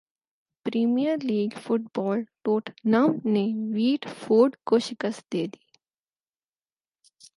premiere League فٹبالٹوٹنہم نے Watford کو شکست دیدی